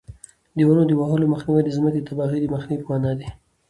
د ونو د وهلو مخنیوی د ځمکې د تباهۍ د مخنیوي په مانا دی.